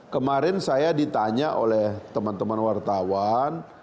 kemarin saya ditanya oleh teman teman wartawan